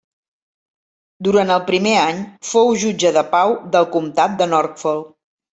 Durant el primer any fou jutge de pau del comtat de Norfolk.